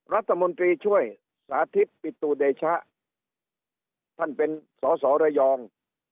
รัฐมนตรีช่วยสาธิตปิตุเดชะท่านเป็นสอสอระยอง